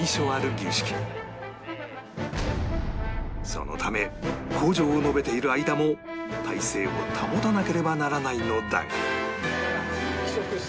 そのため口上を述べている間も体勢を保たなければならないのだが